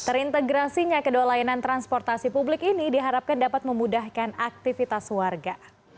terintegrasinya kedua layanan transportasi publik ini diharapkan dapat memudahkan aktivitas warga